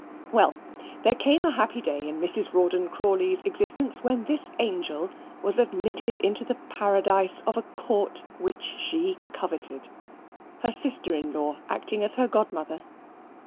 Well, there came a happy day in Mrs. Rawdon Crawley's existence when this angel was admitted into the paradise of a Court which she coveted, her sister in law acting as her godmother.